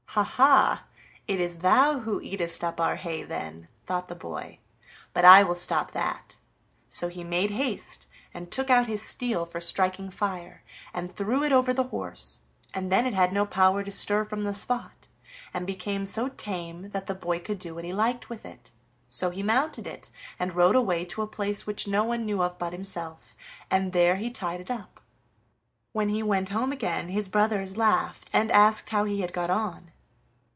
"Ha, ha! it is thou who eatest up our hay then," thought the boy; "but I will stop that." So he made haste, and took out his steel for striking fire, and threw it over the horse, and then it had no power to stir from the spot, and became so tame that the boy could do what he liked with it. So he mounted it and rode away to a place which no one knew of but himself, and there he tied it up. When he went home again his brothers laughed and asked how he had got on.